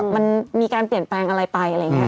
มันมีการเปลี่ยนไปอะไรไป